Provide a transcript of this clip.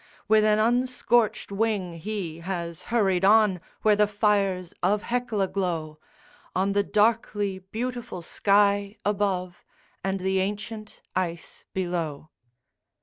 With an unscorched wing he has hurried on, where the fires of Hecla glow On the darkly beautiful sky above and the ancient ice below.